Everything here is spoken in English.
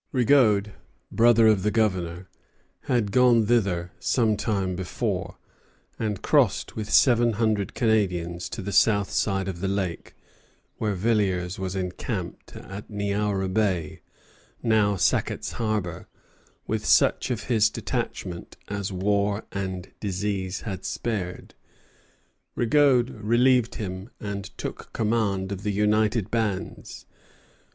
Rigaud, brother of the Governor, had gone thither some time before, and crossed with seven hundred Canadians to the south side of the lake, where Villiers was encamped at Niaouré Bay, now Sackett's Harbor, with such of his detachment as war and disease had spared. Rigaud relieved him, and took command of the united bands.